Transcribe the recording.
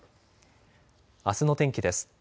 あすの天気です。